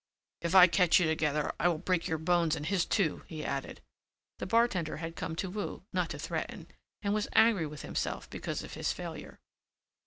"If I catch you together I will break your bones and his too," he added. The bartender had come to woo, not to threaten, and was angry with himself because of his failure.